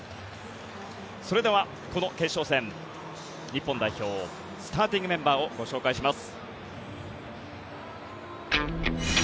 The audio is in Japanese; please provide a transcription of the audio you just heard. それではこの決勝戦日本代表スターティングメンバーをご紹介します。